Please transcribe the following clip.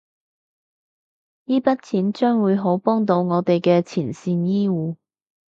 依筆錢將會好幫到我哋嘅前線醫護